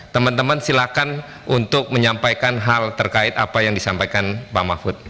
teman teman silakan untuk menyampaikan hal terkait apa yang disampaikan pak mahfud